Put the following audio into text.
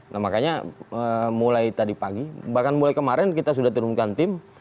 nah makanya mulai tadi pagi bahkan mulai kemarin kita sudah turunkan tim